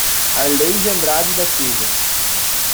Arleide Andrade da Silva